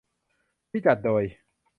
ที่จัดโดย